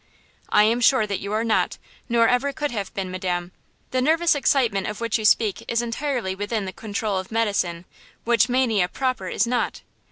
"I am sure that you are not, nor ever could have been, Madam. The nervous excitement of which you speak is entirely within the control of medicine, which mania proper is not.